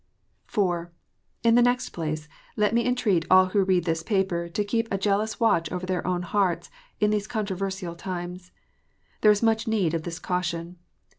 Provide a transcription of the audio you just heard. (4) In the next place, let me entreat all who read this paper to keej) a jcalom watch over their own hearts in these contro versial times. There is much need of this caution.